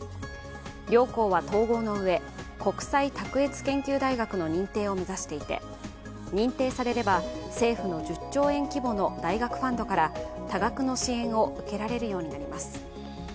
両校は統合の上国際卓越研究大学の認定を目指していて、認定されれば政府の１０兆円規模の大学ファンドから多額の支援を受けられるようになります。